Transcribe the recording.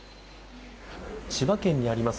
千葉県にあります